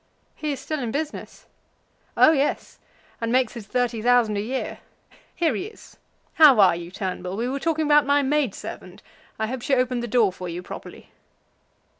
"He is still in business." "Oh yes; and makes his thirty thousand a year. Here he is. How are you, Turnbull? We were talking about my maid servant. I hope she opened the door for you properly."